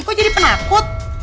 kok jadi penakut